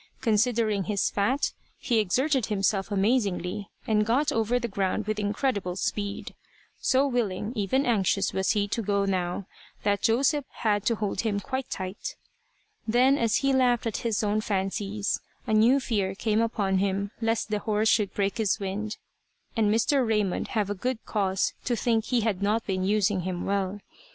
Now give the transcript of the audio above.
Considering his fat, he exerted himself amazingly, and got over the ground with incredible speed. So willing, even anxious, was he to go now, that Joseph had to hold him quite tight. Then as he laughed at his own fancies, a new fear came upon him lest the horse should break his wind, and Mr. Raymond have good cause to think he had not been using him well.